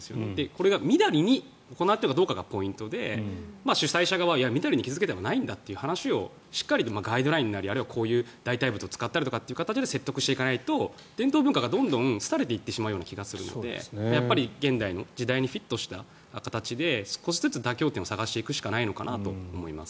これがみだりに行われているかどうかがポイントで主催者側はいや、みだりに傷付けてはいないんだという話をガイドラインなり代替物を使ったりという形で説得していかないと伝統文化がどんどんすたれていってしまう気がするのでやっぱり、現代の時代にフィットした形で少しずつ妥協点を探していくしかないのかなと思います。